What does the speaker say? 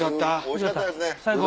おいしかったですね。